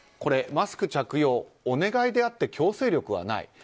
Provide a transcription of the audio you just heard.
マスク着用、お願いであって強制力はない。